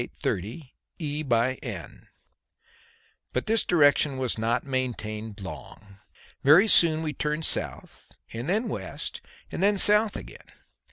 E. by N." But this direction was not maintained long. Very soon we turned south and then west and then south again.